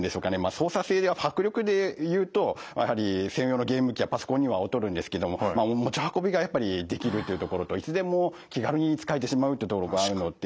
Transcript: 操作性や迫力でいうとやはり専用のゲーム機やパソコンには劣るんですけども持ち運びがやっぱりできるというところといつでも気軽に使えてしまうっていうところがあるので。